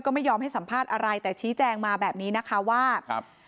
ก็ไม่ยอมให้สัมภาษณ์อะไรแต่ชี้แจงมาแบบนี้นะคะว่าครับ